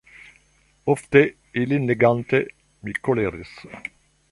Ofte, ilin legante, mi koleris.